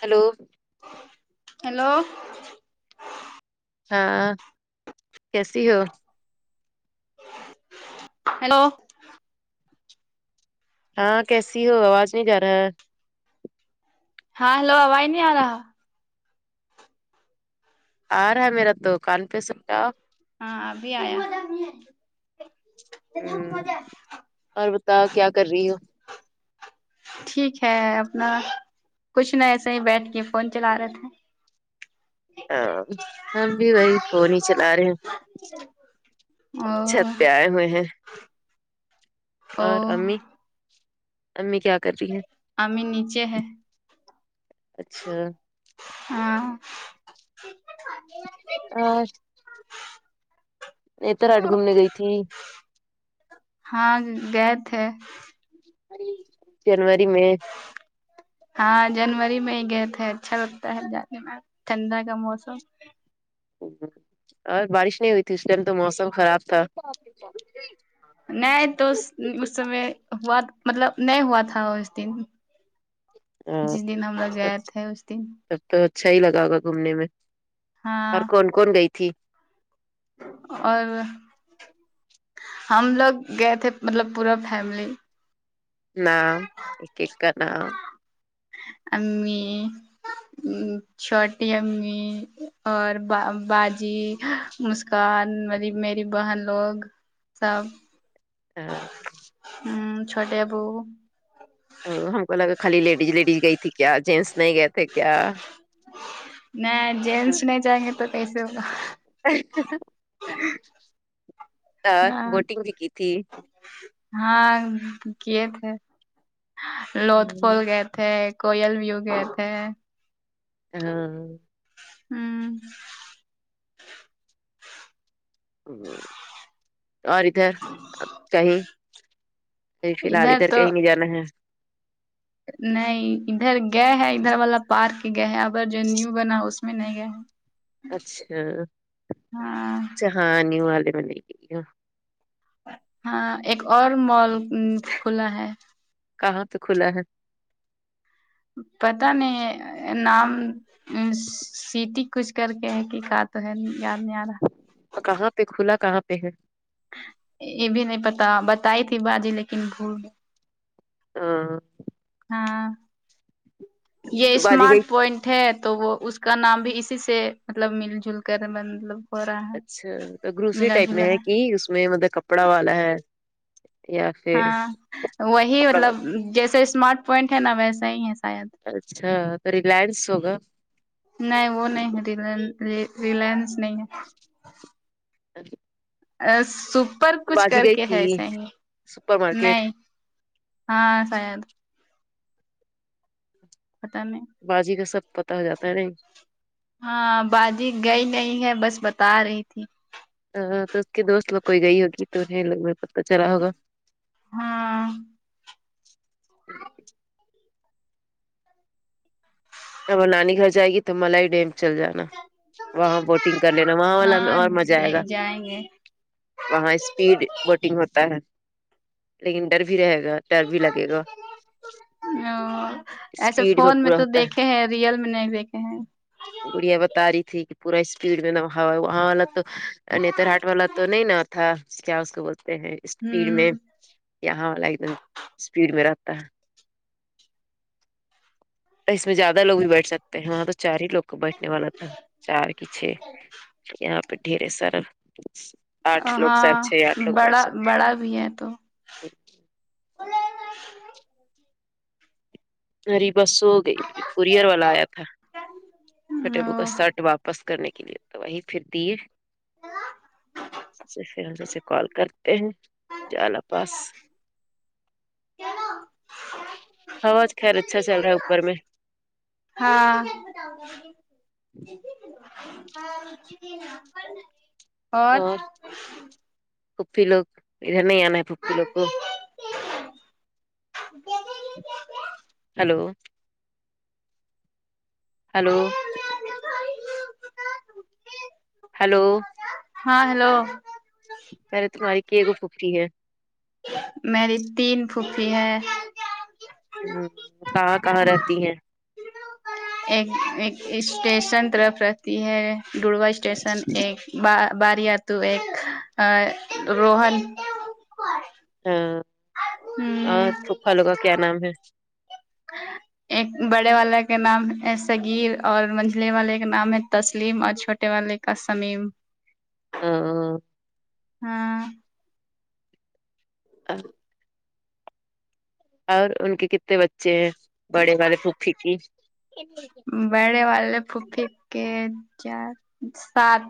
hello hello ہاں کیسی ہو ہیلو ہاں کیسی ہو آواز نہیں جا رہا ہے ہاں ہیلو آواز نہیں آ رہا آ رہا ہے میرا دکان پے سٹا ہاں ابھی آیا ہمم اور بتاؤ کیا کر رہی ہو ٹھیک ہے اپنا کچھ نہ ایسے ہی بیٹھ کے فون چلا رہے تھے آ ہم بھی وہی فون ہی چلا رہے او چھت پے آئے ہوئے ہیں او اور امی امی کیا کر رہی ہے امی نیچے ہے اچھا ہاں اور نتراٹ گھومنے گئی تھی ہاں گئے تھے جنوری میں ہاں جنوری میں ہی گئے تھے اچھا لگتا ہے جانے میں ٹھنڈا کا موسم اور بارش نہیں ہوئی تھی اس ٹائم تو موسم خراب تھا نہیں تو اس اس سمے ہوا مطلب نہیں ہوا تھا اس دن ہاؤ جس دن ہم لوگ چھا گئے تھے اس دن تو اچھا ہی لگا ہوگا گھومنے میں ہاں اور کون کون گئی تھی اور ہم لوگ گئے تھے مطلب پورا فیملی نام ایک کا نام امی چھوٹی امی اور با با جی مسکان میر میری بہن لوگ سب ہیلو ہم چھوٹے ابو ہم کو لگا خالی لیڈی لیڈی گئی تھی کیا جنس نہیں گئے تھے کیا نہ جنس نہیں جائیں گے تو کیسے ہوگا ہاں وٹنگ بھی کی تھی ہاں کی تھے لوت پور گئے تھے کوئل ویو گے تھے ہے ہیلو ہم اوری ادھر اب کہیں کہ فی الحال ادھر کہیں نہیں جانا ہے نہیں ادھر گئے ہے ادھر والا پارک گئے ہے اگر جو نیو بنا اس میں نہیں گے اچھا ہاں جہانی والے میں نہیں گھی ہو ہاں ایک اور مال کھلا ہے کہاں تو کھلا ہے پتا نہیں نام سیٹی کچھ کر کے ہے کہ کہت توحے یاد نہیں ارا کہاں پہ کھلا کہاں پہ ہے یہ بھی نہیں پتا بتائی تھی باجی لیکن بھول ہم ہاں یہ باجی گئی اسمارٹ پوائنٹ ہے تو وہ اس کا نام بھی اسی سے مطلب مل جل کر مطلب ہو رہا ہے اچھا تو گروسری ملا ٹائپ میں جلا ہے کہ اس میں مطلب کپڑا والا ہے یا پھر ہاں وہی کپڑا مطلب والا جیسے اسمارٹ پوائنٹ ہے نا ویسا ہی ہے شاید اچھا تو ریلائنس ہوگا نہیں وہ نہیں ہے ریلائنس نہیں ہے تو ا سپر کچھ کر باجی گئی کے تھی ہے سہی سپر مارکیٹ نہیں ہاں شاید پتا میں باجی کا سب پتا ہو جاتا ہے نہیں ہاں باجی گئی نہیں ہے بس بتا رہی تھی ا تو اس کے دوست لوگ کوئی گئی ہوگی تو انہیں لوگ پتہ چلا ہوگا ہاں ای تب وہ نانی گھر جائے گی تو ملی ڈیم چل جانا بوٹنگ کر لینا وہاں والا ہاں اور مزہ ائے گا جائیں گے وہاں سپیڈ وٹنگ ہوتا ہے لیکن ڈر بھی رہے گا ٹر بھی لگے گا ا اسپیڈ میں پورا ہوتا ہے رئیل مے نہیں دیکھے ہیں گڑیاں بتا رہی تھی کہ پورا اسپیڈ میں نہ ہاں وہاں والا تو نتر ہاٹ والا تو نہیں نا تھا کیا اس کو بول تے ہیں اسپیڈ ہوں میں یہاں والا ایک دم اسپیڈ میں رہتا ہے اس میں زیادہ لوگ بھی بیٹھ سکتے ہیں وہاں تو چار ہی لوگ کا بیٹھنے والا تھا چار کی چھ یہاں پے ڈھیر ہے سارا آٹھ لوگ شاید چھ آٹھ لوگ بیٹھ سکتے ہیں وہی ہے تو [inaudible] اریبہ سوگئی ابھی کورئر والا آیا تھا [unintelligible] چھوٹے ابو کا شرٹ واپس کرنے کے لیے تو وہی پھر دی پھر سے ان سے کال کرتے ہیں چلو بس ہوا آج خیر اچھا چل رہا ہے اوپر میں ہاں ہاں [unintelligible] اور پھوپھی لوگ ادھر نہیں آنا ہے پھوپھی لوگ کو [unintelligible] ہلو ہیلو ہیلو ہاں ہیلو پہلے تمہاری کے گو پھوپی ہے میری تین پھپی ہیں ہمم کہاں کہاں رہتی ہیں ایک ایک اسٹیشن طرف رہتی ہے دوڈوا اسٹیشن ایک با بار یا تو ایک روہن ہاں اور پھوپھا لوگ کا کیا نام ہے ایک بڑے والا کے نام ہے دستگیر اور منجلے والے کے نام ہے تسلیم اور چھوٹے والے کا سمیم [unintelligible] ہاں [inaudible] اور ان کے کتنے بچے ہیں بڑے والے پھوپھی کی بڑے والے پھوپھی کے چار سات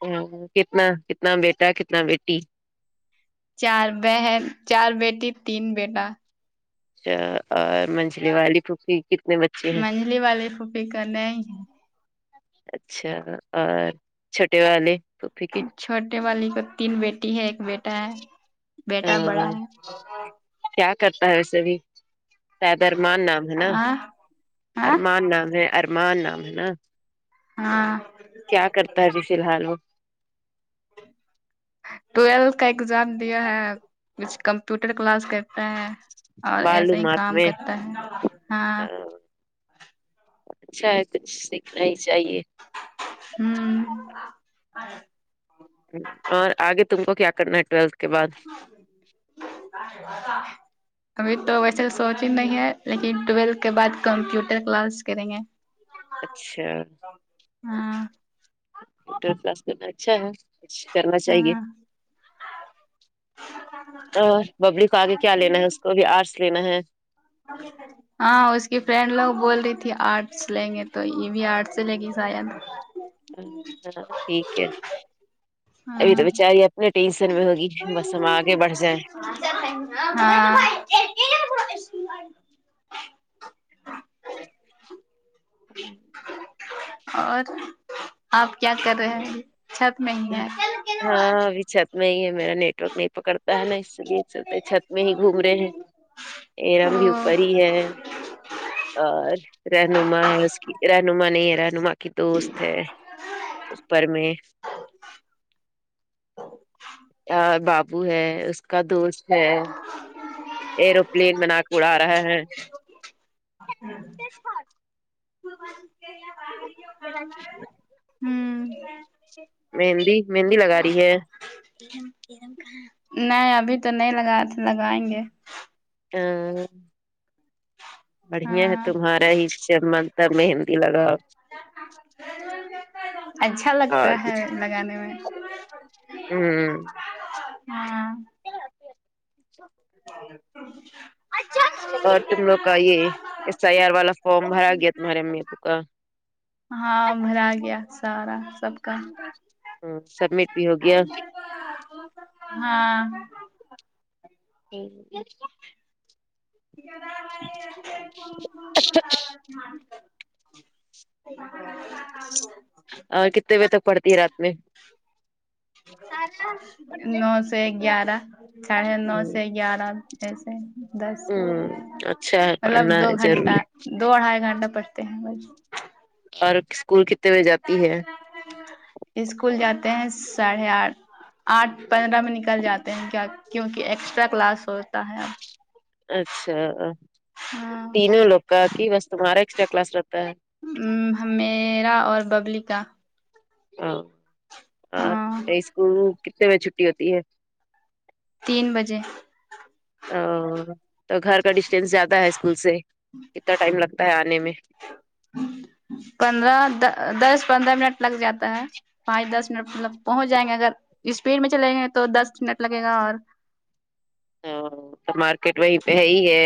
ہمم کتنا کتنا بیٹا کتنا بیٹی چار بہن چار بیٹی تین بیٹا اچھا اور منجھلے والی پھوپی کتنی منجھلی والی پھوپی کا نہیں ہے اچھا اور چھوٹے والے پھوپی کے چھوٹے والی کو تین بیٹی ہے ایک بیٹا ہے بیٹا بڑا ہاں، ہے کیا کرتا ہے ویسے بھی شاید ارمان نام ہے نا ہاں ہاں ارمان نام ہے ارمان نام ہے نا ہاں کیا کرتا ہے ابھی فی الحال وہ ٹویلتھ کا ایگزام دیا ہے کچھ کمپیوٹر کلاس کرتا ہے اور ایسا ہی معلومات کام میں کرتا ہے ہاں اچھا ہے کچھ سیکھنا ہی چاہیے ہمم اور آگے تم کو کیا کرنا ہے تولتھ کے بعد [unintelligible] ابھی تو ویسے سوچ ہی نہیں ہے لیکن ٹولتھ کے بعد کمپیوٹر کلاس کریں گے اچھا ہاں ٹر کلاس میں تو اچھا ہے کرنا چاہیے ہاں اور ببلو کو آگے کیا لینا ہے اس کو بھی آرٹس لینا ہے ہاں اس کی فرینڈ لوگ بول رہی تھی آرٹس لیں گے تو یے بھی آرٹس سے لے گی شاید ہاں ٹھیک ہے ابھی تو ہاں بیچاری نے ٹینشن میں ہوگی بس ہم آگے بڑھ جائیں ہاں اور آپ کیا کر رہے ہیں چھت میں ہی ہے ہاں ابھی چھت میں ہی ہے میرا نیٹ ورک نہیں پکڑتا ہے نا اس لیے چہر چھت میں ہی گھوم رہے ہیں ایرم بھی او اوپر ہی ہے اور رہنما ہے اس کی رہنما نہیں ہے رہنما کی دوست ہے اس پر میں آ بابو ہے اس کا دوست ہے ایرو پلین بنا کو اڑا رہا ہے [unintelligible] ہمم مہندی مہندی لگا رہی ہے ارم ارم کہاں ہے نہیں ابھی تو نہیں لگا تھا لگائیں گے آ بڑھیا ہے ہاں تمہارا ہی چمکتا مہندی لگاؤ اچھا لگتا اور ہے لگانے میں آمم ہاں اور تم لوگ کا یے ایس آئی آر والا فارم بھرا گیا تمہارے امی ابو کا ہاں بھرا گیا سارا سب کا ہاں سبمٹ بھی ہوگیا ہاں اور کتنے بجے تک پڑتی رات میں نو سے گیارہ ساڑھے نو سے گیارہ سے دس ہوں اچھا ہے مطلب پڑھنا دو ہے گھنٹہ ضروری دو ڈھائی گھنٹہ تے ہے اور اسکول کتنے بجے جاتی ہے اسکول جاتے ہیں ساڑھے آٹھ آٹھ پندرہ میں نکل جاتے ہیں کیا کیونکی کہ ایکسٹرا کلاس ہوتا ہے اچھا ہاں تینوں لوگ کا کی بس تمہارا ایکسٹرا کلاس رہتا ہے آمم میرا اور ببلو کا ہاں ہاں اسکول کتنے بجے چھٹی ہوتی ہے تین بجے آ تو گھر کا ڈسٹینس زیادہ ہے اسکول سے کتنا ٹائم لگتا ہے آنے میں پندرہ دا دس پندرہ منٹ لگ جاتا ہے پانچ دس منٹ مطلب پہنچ جائیں گے اگر اسپیڈ میں چلیں گے تو دس نیٹ لگے گا اور ہاں تو مارکیٹ وہیں پہ ہے ہی ہے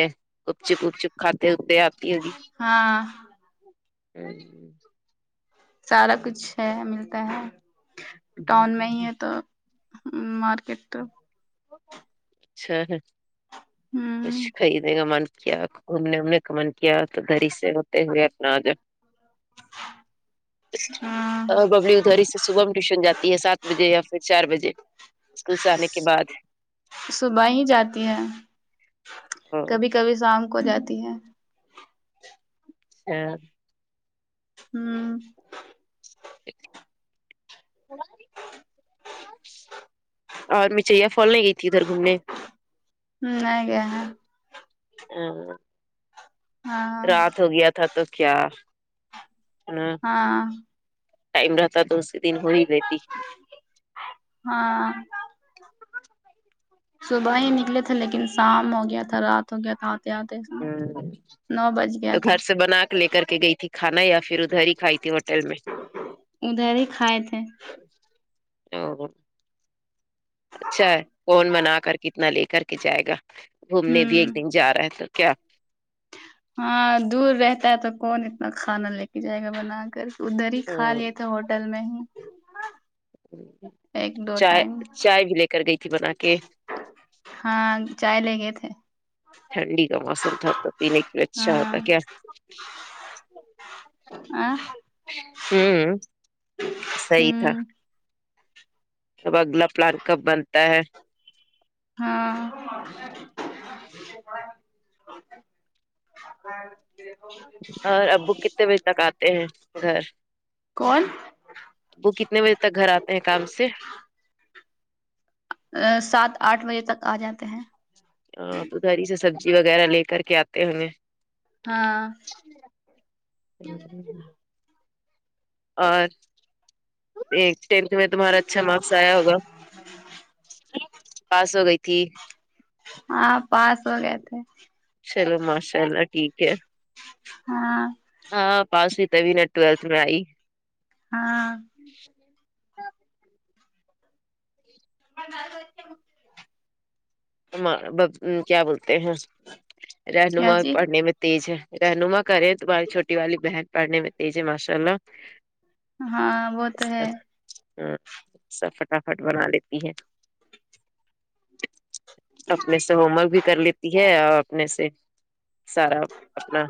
گپ چپ گپ چپ کھاتے وے آتی ہوگی ہاں سارا کچھ ہے ملتا ہے ٹاؤن میں ہی ہے تو ہ مارکیٹ اچھا ہے ہ کچھ خارد نے کا من کیا ان نے ان نے کمن کیا تو گھر سے ہوتے ہوئے اپنا آ ج ہاں اور ببلی ادھاری سے صبح میں ٹیوشن جاتی ہے سات بجے یا پھر چار بجے اسکول سے آنے کے بعد صبح ہی جاتی ہے کبھی کبھی شام کو جاتی ہے ہوں اور مچیا فول نہیں گئی تھی ادھر گھومنے ہوں نہیں گے ہیں ہاں رات ہو گیا تھا تو کیا ھھم ہاں ٹائم رہتا تو اسی دن ہو ہی رہتی ہاں صبح ہی نکلے تھے لیکن شام ہو گیا تھا رات ہو گیا تھا آتے ہ نو بج تو گیا گھر تھا سے بنا کے لے کے کر کے گئی تھی کھانا یا پھر ادھر ہی کھائی تھی ہوٹل میں ادھر ہی کھائے تھے او اچھا ہے کون بنا کر کتنا لے کر کے جائے گا گھومنے بھی ایک ہوں دن جا رہا ہے تو کیا ہاں دور رہتا ہے تو کون اتنا کھانا لے کے جائے گا بنا کر ادھر ہی کھا لیے تھے ہوٹل میں ہی ایک دو چائے ٹائم چائے بھی لے کر گئی تھی بنا کے ہاں چائے لے گئے تھے ٹھنڈی کا موسم تھا تو پینے کے لیے اچھا ہوتا کیا آ ہوں صحیح تھا ہوں اب اگلا پلان کب بنتا ہے ہاں اور ابو کتے بجے تک آتے ہیں گھر کون وہ کتنے بجے تک گھر آتے ہیں کام سے سات آٹھ بجے تک آ جاتے ہیں ہاں تو ادھر ہی سے سبزی وغیرہ لے کر کے آتے ہوں گے ہاں اور ٹینتھ میں تمہارا اچھا مارکس آیا ہوگا پاس ہو گئی تھی ہاں پاس ہو گئے تھے چلو ماشاء اللہ ٹھیک ہے ہاں ہاں پاسی تب ہی نہ میں ٹوویلٹ میں آئی ہاں کل دال تے ویسے کیا بولتے ہیں اس کیا رہنما جی پڑھنے میں تیز ہے رہنما کرے تمہاری چھوٹی والی بہن پڑھنے میں تیز ہے ماشاء اللہ ہاں وہ تو ہے ہ سب فٹافٹ بنا لیتی ہے اپنے سے ہوم ورک بھی کر لیتی ہے اور اپنے سے سارا اپنا